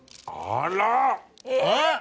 あら！